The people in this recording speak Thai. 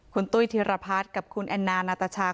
คุณตุ้ยธีรพัฒน์กับคุณแอนนานาตาชา